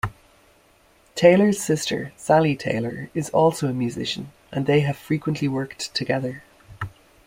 Taylor's sister, Sally Taylor, is also a musician and they have frequently worked together.